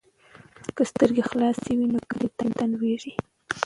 که سترګې خلاصې وي نو کندې ته نه لویږي.